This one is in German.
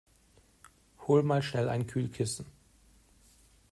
Hol mal schnell ein Kühlkissen!